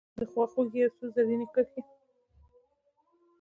دخوا خوګۍ یو څو رزیني کرښې